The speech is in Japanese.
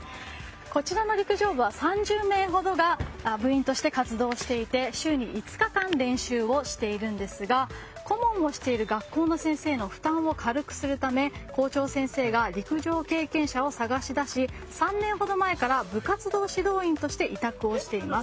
こちらの陸上部は３０名ほどが部員として活動していて週に５日間練習をしているんですが顧問をしている学校の先生の負担を軽くするため校長先生が陸上経験者を探し出し３年ほど前から部活動指導員として委託をしています。